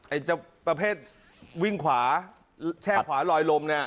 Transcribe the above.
ไอ้เจ้าประเภทวิ่งขวาแช่ขวาลอยลมเนี่ย